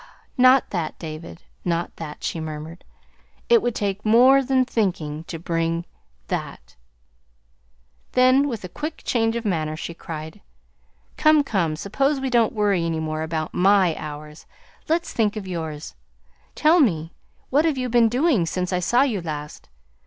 "Not that, David, not that," she murmured. "It would take more than thinking to bring that." Then, with a quick change of manner, she cried: "Come, come, suppose we don't worry any more about MY hours. Let's think of yours. Tell me, what have you been doing since I saw you last?